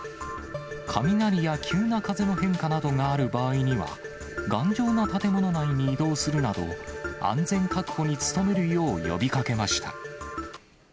雷や急な風の変化などがある場合には、頑丈な建物内に移動するなど、安全確保に努めるよう呼びかけました。